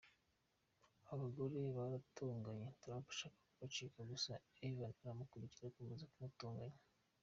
Aba bagore baratonganye, Trump ashaka kubacika gusa Ivana aramukurikira akomeza kumutonganya.